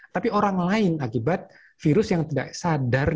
tapi orang lain akibat virus yang tidak sadar